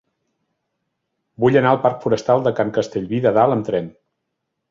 Vull anar al parc Forestal de Can Castellví de Dalt amb tren.